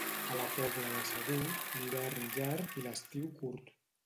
A la Pobla de Segur, l'hivern llarg i l'estiu curt.